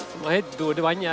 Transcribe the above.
semua itu dua duanya